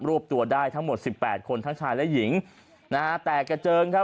วบตัวได้ทั้งหมดสิบแปดคนทั้งชายและหญิงนะฮะแตกกระเจิงครับ